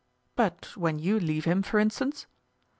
"But when you leave him, for instance?"